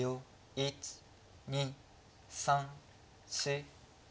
１２３４５。